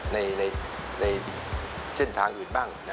ในเส้นทางอื่นบ้าง